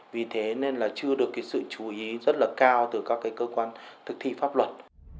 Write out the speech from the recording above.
vì thế nên là chưa được sự chú ý rất là cao từ các cơ quan thực thi pháp luật